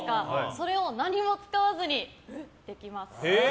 それを何も使わずにできます。